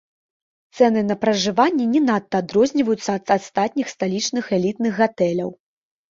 Цэны на пражыванне не надта адрозніваюцца ад астатніх сталічных элітных гатэляў.